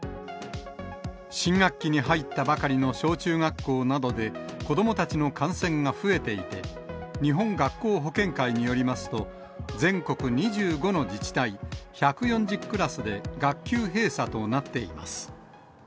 新学期に入ったばかりの小中学校などで、子どもたちの感染が増えていて、日本学校保健会によりますと、全国２５の自治体１４０クラスで、学級閉鎖となっています。